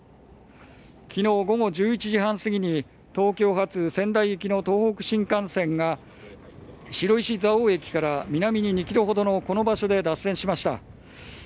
昨日午後１１時半過ぎに東京発仙台行きの東北新幹線が白石蔵王駅から南に２ｋｍほどのこの場所で脱線しました。